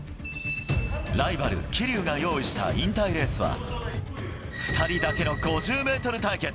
ライバル、桐生が用意した引退レースは、２人だけの５０メートル対決。